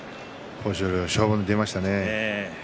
豊昇龍は勝負に出ましたね。